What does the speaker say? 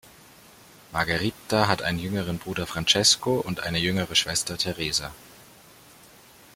Margherita hat einen jüngeren Bruder Francesco und eine jüngere Schwester Teresa.